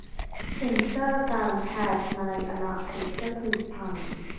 เซ็นเซอร์การแพทย์ในอนาคตจะถูกผัง